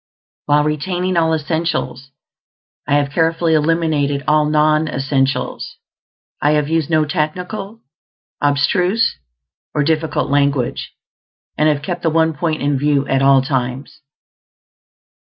While retaining all essentials, I have carefully eliminated all non essentials; I have used no technical, abstruse, or difficult language, and have kept the one point in view at all times.